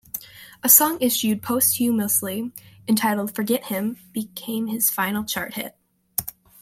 A song issued posthumously entitled "Forget Him" became his final chart hit.